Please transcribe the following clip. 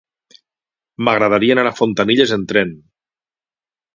M'agradaria anar a Fontanilles amb tren.